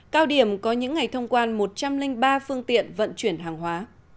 cao điểm có những ngày thông quan một trăm linh ba phương tiện vận chuyển hàng hóa